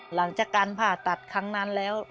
หลังจากการผ่าตัดครั้งนั้นแล้ว